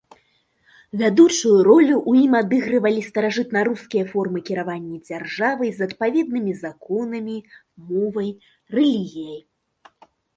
Вядучую ролю ў ім адыгрывалі старажытнарускія формы кіравання дзяржавай з адпаведнымі законамі, мовай, рэлігіяй.